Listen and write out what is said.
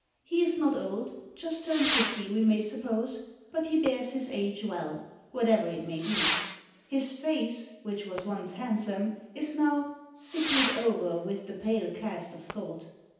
He is not old, just turned fifty we may suppose, but he bears his age well, whatever it may be. His face, which was once handsome, is now 'sicklied o'er with the pale cast of thought.